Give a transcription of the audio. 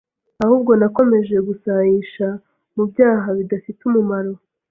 ahubwo nakomeje gusayisha mu byaha bidafite umumaro